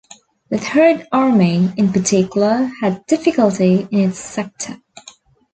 The Third Army, in particular, had difficulty in its sector.